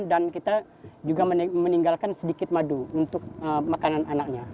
dan kita juga meninggalkan sedikit madu untuk makanan anaknya